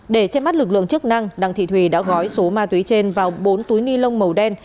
để trên mắt lực lượng chức năng đặng thị thùy đã gói số ma túy trên vào bốn túi ni lông màu đen